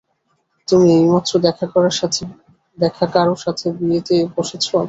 তুমি এইমাত্র দেখা কারো সাথে বিয়েতে বসেছো?